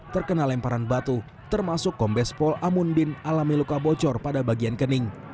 terkena lemparan batu termasuk kombes pol amundin alami luka bocor pada bagian kening